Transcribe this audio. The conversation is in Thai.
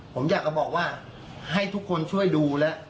ผมอยากจะบอกว่าให้ทุกคนช่วยดูแล้ว